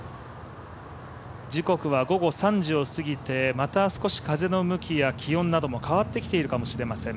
時刻は午後３時を過ぎてまた少し風の向きや気温なども変わってきているかもしれません。